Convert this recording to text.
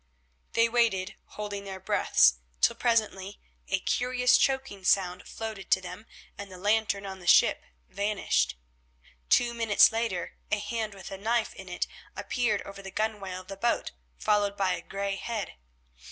They waited, holding their breaths, till presently a curious choking sound floated to them, and the lantern on the ship vanished. Two minutes later a hand with a knife in it appeared over the gunwale of the boat, followed by a grey head.